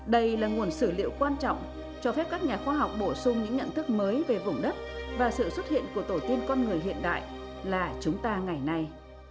đây là nguồn sử liệu quan trọng cho phép các nhà khoa học bổ sung những nhận thức mới về vùng đất và sự xuất hiện của tổ tiên con người hiện đại là chúng ta ngày nay